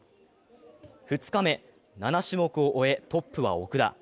２日目、７種目を終えトップは奥田。